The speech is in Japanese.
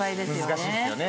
難しいですよね。